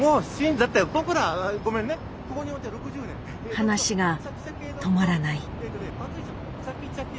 話が止まらない。